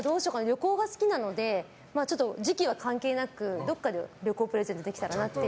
旅行が好きなのでちょっと時期は関係なくどっかで旅行プレゼントできたらなっていう。